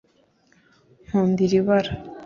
Nkunda iri bara